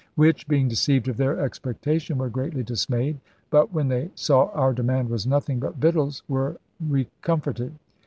Which, being deceived of their expectation, were greatly dismayed; but ... when they saw our demand was nothing but victuals, were recom forted.